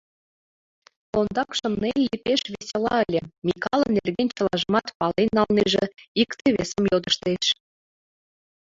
Ондакшым Нелли пеш весела ыле, Микале нерген чылажымат пален налнеже, иктым-весым йодыштеш.